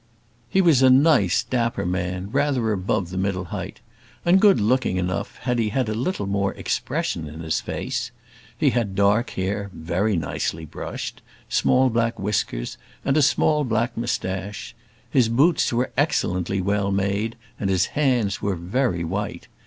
He was a nice, dapper man, rather above the middle height, and good looking enough had he had a little more expression in his face. He had dark hair, very nicely brushed, small black whiskers, and a small black moustache. His boots were excellently well made, and his hands were very white.